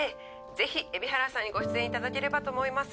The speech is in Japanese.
ぜひ海老原さんにご出演いただければと思います